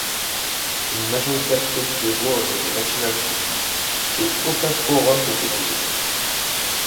Une majorité absolue des voix au niveau national suffit, et aucun quorum n'est exigé.